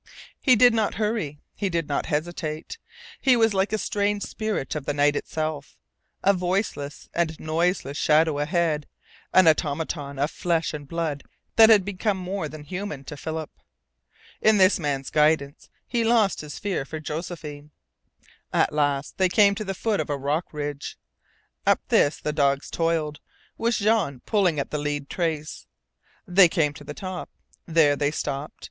He did not hurry, he did not hesitate. He was like a strange spirit of the night itself, a voiceless and noiseless shadow ahead, an automaton of flesh and blood that had become more than human to Philip. In this man's guidance he lost his fear for Josephine. At last they came to the foot of a rock ridge. Up this the dogs toiled, with Jean pulling at the lead trace. They came to the top. There they stopped.